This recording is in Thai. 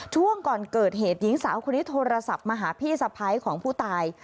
ช่วงก่อนเกิดเหตุหญิงสาวคนนี้โทรศัพท์มาหาพี่สะพ้ายของผู้ตาย